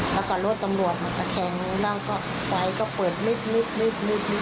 แล้วก็รถตำรวจมันก็แข่งแล้วก็ฟัยก็เปิดลึก